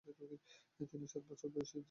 তিনি সাত বছর বয়সে জী সারগেমপায় অংশ নেন।